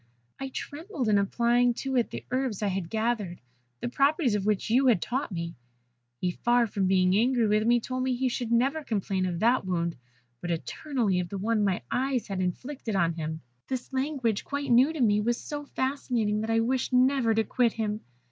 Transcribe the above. I trembled in applying to it the herbs I had gathered, the properties of which you had taught me. He, far from being angry with me, told me he should never complain of that wound, but eternally of the one my eyes had inflicted on him. "This language, quite new to me, was so fascinating that I wished never to quit him.